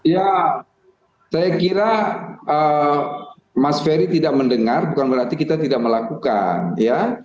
ya saya kira mas ferry tidak mendengar bukan berarti kita tidak melakukan ya